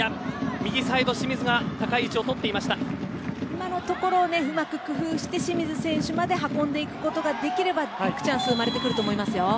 今のところをうまく工夫して清水選手まで運んでいくことができればビッグチャンスが生まれると思います。